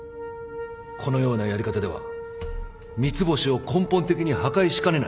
このようなやり方では三ツ星を根本的に破壊しかねない。